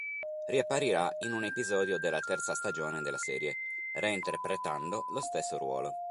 Riapparirà in un episodio della terza stagione della serie, reinterpretando lo stesso ruolo.